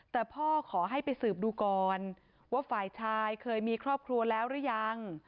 แต่พ่อขอให้ไปสืบดูก่อนว่าฝ่ายชายเคยมีครอบครัวแล้วหรือยัง